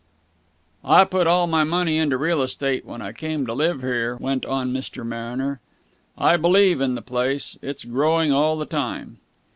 "I put all my money into real estate when I came to live here," went on Mr. Mariner. "I believe in the place. It's growing all the time."